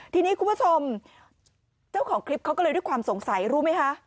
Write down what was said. ทีนี้คุณผู้ชมเจ้าของคลิปเขาก็เลยด้วยความสงสัยรู้ไหมคะ